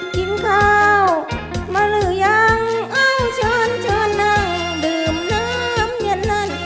กินข้าวมาหรือยังเอาช้อนช้อนนั่งดื่มน้ำเงิน